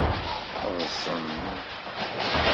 Ḍḍsen.